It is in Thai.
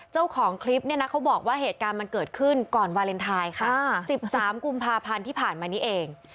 เจ้าของคลิปเนี่ยนะเขาบอกว่าเหตุการณ์มันเกิดขึ้นก่อนวาเลนไทยค่ะ๑๓กุมภาพันธ์ที่ผ่านมานี้เอง